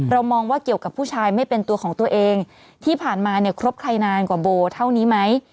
มองว่าเกี่ยวกับผู้ชายไม่เป็นตัวของตัวเองที่ผ่านมาเนี่ยครบใครนานกว่าโบเท่านี้ไหม